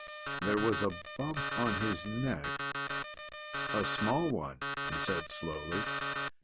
"There was a bump on his neck a small one," he said slowly.